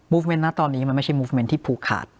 เมนต์นะตอนนี้มันไม่ใช่มูฟเมนต์ที่ผูกขาด